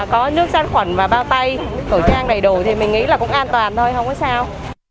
có nước sát khuẩn và bao tay khẩu trang đầy đủ thì mình nghĩ là cũng an toàn thôi không có sao